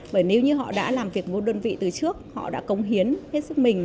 bởi nếu như họ đã làm việc một đơn vị từ trước họ đã cống hiến hết sức mình